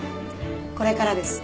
これからです。